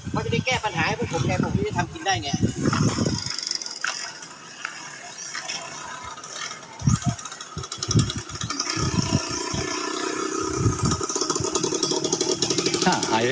ไม่ได้แก้ปัญหาให้พวกผมแกบอกว่าไม่ได้ทำกินได้ไง